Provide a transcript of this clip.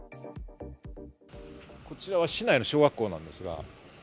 こちらは市内の小学校です。